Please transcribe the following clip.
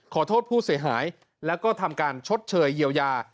ขอโทษผู้เสียหายแล้วก็ทำการชดเชยเยียวยา